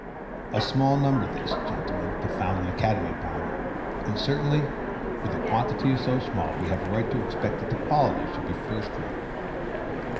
A small number this, gentlemen, to found an academy upon; and certainly, where the quantity is so small, we have a right to expect that the quality should be first rate.